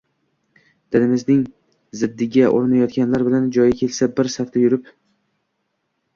Dinimizning ziddiga urinayotganlar bilan joyi kelsa bir safda yurib